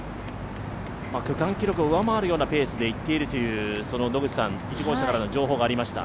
区間記録を上回るようなペースでいっているという１号車からの情報がありました。